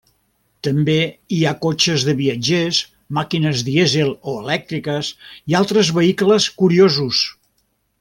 També hi ha cotxes de viatgers, màquines dièsel o elèctriques i altres vehicles curiosos.